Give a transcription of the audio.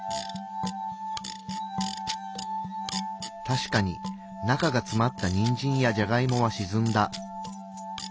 確かに中がつまったにんじんやじゃがいもはしずんだ。